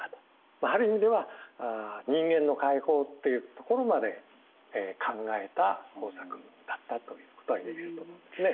まあある意味では人間の解放っていうところまで考えた方策だったということは言えると思いますね。